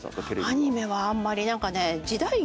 アニメはあんまり何かね。